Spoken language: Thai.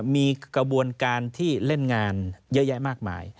มีกระบวนการที่เล่นงานเยอะแยะมากมาย